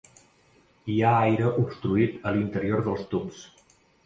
Hi ha aire obstruït a l'interior dels tubs.